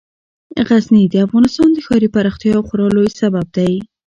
غزني د افغانستان د ښاري پراختیا یو خورا لوی سبب دی.